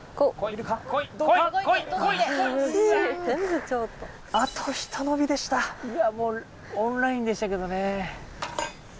うわもうオンラインでしたけどね。